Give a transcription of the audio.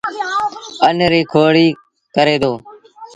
اَن ريٚ کوڙيٚ ڪري دو